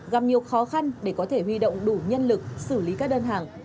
gặp nhiều khó khăn để có thể huy động đủ nhân lực xử lý các đơn hàng